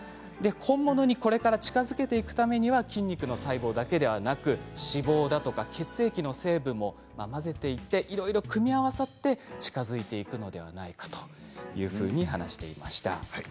本物にこれから近づけていくためには筋肉の細胞だけではなく脂肪や血液の成分も混ぜていっていろいろ組み合わさって近づいていたのではないかと話していました。